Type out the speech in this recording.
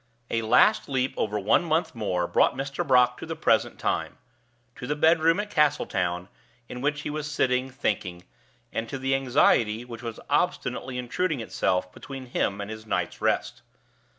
A last leap over one month more brought Mr. Brock to the present time to the bedroom at Castletown, in which he was sitting thinking, and to the anxiety which was obstinately intruding itself between him and his night's rest.